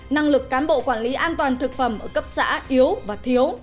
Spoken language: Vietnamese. năng lực cán bộ quản lý an toàn thực phẩm ở cấp xã yếu và thiếu